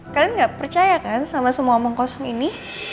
kalian gak percaya kan sama semua omong kosong ini